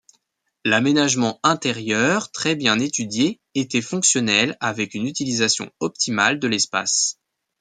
L'aménagement intérieur, très bien étudié, était fonctionnel avec une utilisation optimale de l'espace.